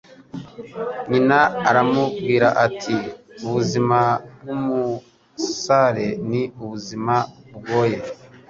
Nyina aramubwira ati: Ubuzima bw'umusare ni ubuzima bugoye.